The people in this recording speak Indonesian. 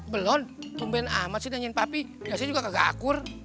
belon pemben amat sih nanyain papi biasanya juga kagak akur